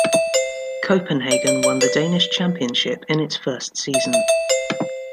Copenhagen won the Danish championship in its first season.